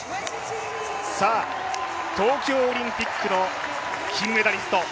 東京オリンピックの金メダリスト